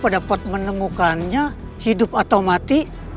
pada pot menemukannya hidup atau mati